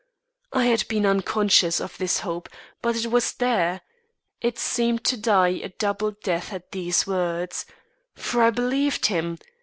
I had been unconscious of this hope, but it was there. It seemed to die a double death at these words. For I believed him!